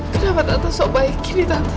kenapa tante sok baik gini tante